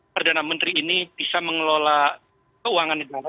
perdana menteri ini bisa mengelola keuangan negara